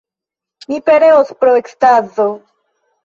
Mi pereos pro ekstazo!